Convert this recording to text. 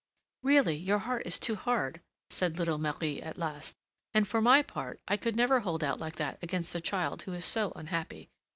"Really, your heart is too hard," said little Marie at last, "and for my part, I could never hold out like that against a child who is so unhappy.